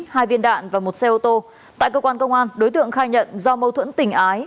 hai viên đạn và một xe ô tô tại cơ quan công an đối tượng khai nhận do mâu thuẫn tình ái